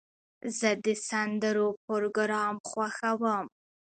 زه د سندرو پروګرام خوښوم.